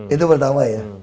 itu pertama ya